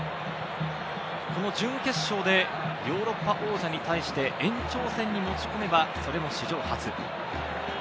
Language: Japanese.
この準決勝でヨーロッパ王者に対して延長戦に持ち込めば、それも史上初。